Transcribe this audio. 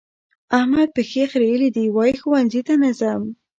احمد پښې خرلې دي؛ وايي ښوونځي ته نه ځم.